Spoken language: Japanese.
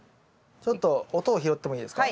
ちょっと音を拾ってもいいですか？